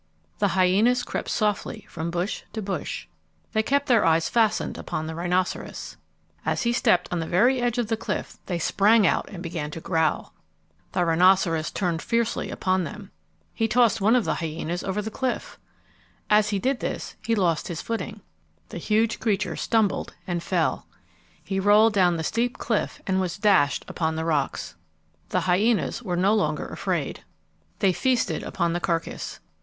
The hyenas crept softly from bush to bush. They kept their eyes fastened upon the rhinoceros. As he stepped on the very edge of the cliff they sprang out and began to growl. The rhinoceros turned fiercely upon them. He tossed one of the hyenas over the cliff. As he did this he lost his footing. The huge creature stumbled and fell. [Illustration: "He tossed one of the hyenas over the cliff"] He rolled down the steep cliff and was dashed upon the rocks. The hyenas were no longer afraid. They feasted upon the carcass.